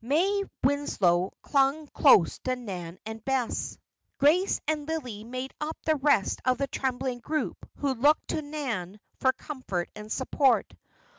May Winslow clung close to Nan and Bess. Grace and Lillie made up the rest of the trembling group who looked to Nan for comfort and support.